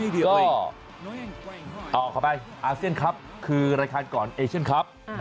ก็ออกเข้าไปอาเซียนคลับคือรายการก่อนเอเชียนคลับ